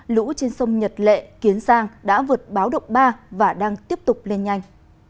lũ trên sông nhật lệ kiến giang đã vượt báo động ba và đang tiếp tục lên nhanh